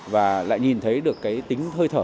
và lại nhìn thấy được cái tính hơi thở